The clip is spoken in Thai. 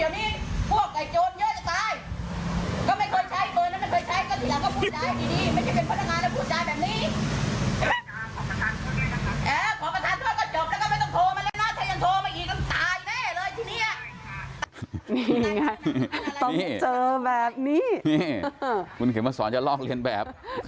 นี่คุณเข็มมาสอนจะลองเรียนแบบ